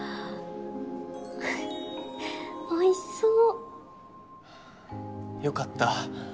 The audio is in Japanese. おいしそうよかった